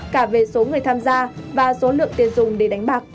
cả về số người tham gia và số lượng tiền dùng để đánh bạc